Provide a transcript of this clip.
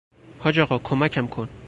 حاج آقا کمکم کن!